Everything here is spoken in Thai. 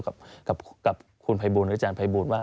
กับภารกาลประอาจารย์ไภบูลว่า